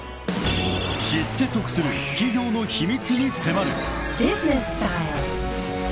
［知って得する企業の秘密に迫る］